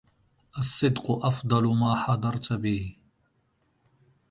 الصدق أفضل ما حضرت به